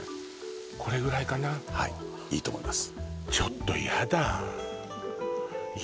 これぐらいかなはいいいと思います